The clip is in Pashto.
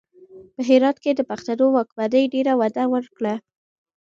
په هرات کې د پښتنو واکمنۍ ډېره وده وکړه.